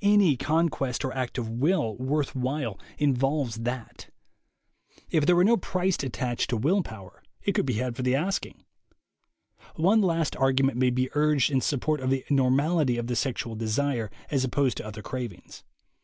Any conquest or act of will worth while involves THE WAY TO WILL POWER 103 that. If there were no price attached to will power, it could be had for the asking. One last argument may be urged in support of the "normality" of the sexual desire as opposed to other cravings.